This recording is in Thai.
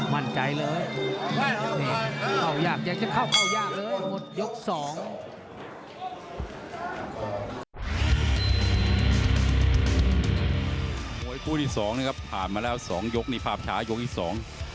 คู่ที่สองนะครับผ่านมาแล้วสองยกนี่ภาพช้ายกที่สอง